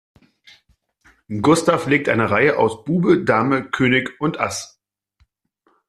Gustav legt eine Reihe aus Bube, Dame König und Ass.